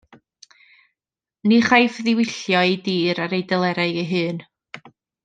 Ni chaiff ddiwyllio ei dir ar ei delerau ei hun.